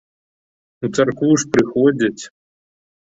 У царкву ж прыходзяць.